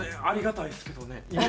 ありがたいですけどね。